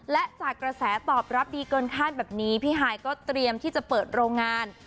และจากกระแสตอบรับดีเกินคาดแบบนี้พี่ฮายก็เตรียมที่จะเปิดโรงงาน